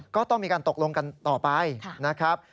ก็ต้องมีการตกลงกันต่อไปนะครับ